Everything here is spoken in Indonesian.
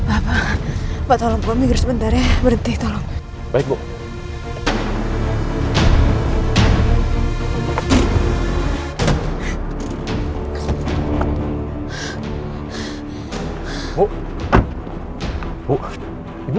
apa apa tolong gue migur sebentar ya berhenti tolong baikmu